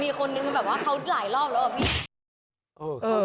มีคนเดียวแบบว่าเขาหลายรอบแล้ว